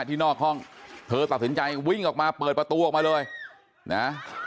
ที่นอกห้องเธอตัดสินใจวิ่งออกมาเปิดประตูออกมาเลยนะ